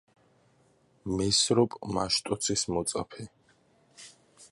მესროპ მაშტოცის მოწაფე.